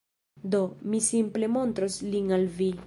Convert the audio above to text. Do, mi simple montros lin al vi